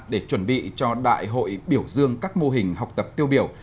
để chuẩn bị cho đại hội biểu dương các mô hình học tập tiêu biểu